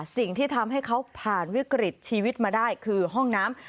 สิ่งที่ทำให้เขาผ่านวิกฤตชีวิตมาได้คือห้องน้ำ